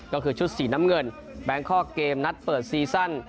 ก็คือชุดสีน้ำเงินแบงคอกเกมนัดเปิดซีซั่น